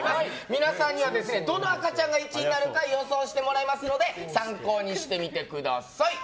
皆さんにはどの赤ちゃんが１位になるのか予想してもらいますので参考にしてみてください。